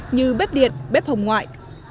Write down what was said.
như bếp điện bếp hồng ngoại